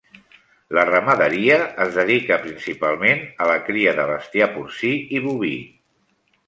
La ramaderia es dedica principalment a la cria de bestiar porcí i boví.